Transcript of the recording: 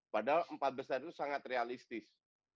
padahal empat besar itu sangat realistis